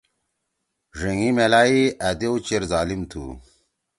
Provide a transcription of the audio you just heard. ڙھینگی میلائی أ دیو چیر ظالم تُھوا۔